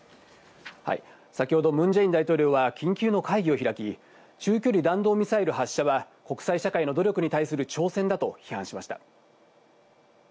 先ほど、ムン・ジェイン大統領は緊急の会議を開き、中距離弾道ミサイル発射は国際社会の努力に対する挑戦だと批判しました。